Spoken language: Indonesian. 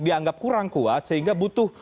dianggap kurang kuat sehingga butuh